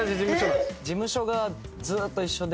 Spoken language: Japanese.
事務所がずっと一緒で。